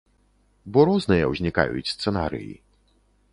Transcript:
Бо розныя ўзнікаюць сцэнарыі.